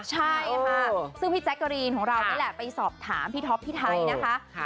ใช่ค่ะซึ่งพี่แจ๊กกะรีนของเรานี่แหละไปสอบถามพี่ท็อปพี่ไทยนะคะ